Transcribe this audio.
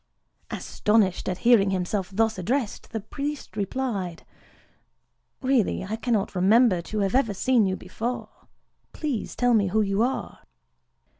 Astonished at hearing himself thus addressed, the priest replied:—"Really, I cannot remember to have ever seen you before: please tell me who you are."